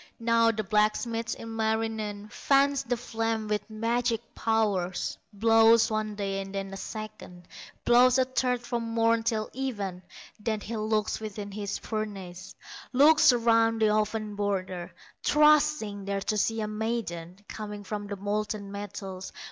Now the blacksmith, Ilmarinen, Fans the flames with magic powers, Blows one day, and then a second, Blows a third from morn till even; Then he looks within his furnace, Looks around the oven border, Trusting there to see a maiden Coming from the molten metals.